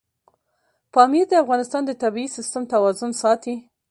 پامیر د افغانستان د طبعي سیسټم توازن ساتي.